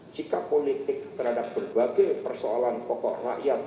sikap politik terhadap berbagai persoalan pokok rakyat